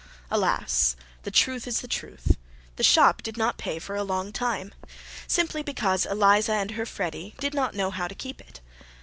Alas! the truth is the truth: the shop did not pay for a long time, simply because Eliza and her Freddy did not know how to keep it.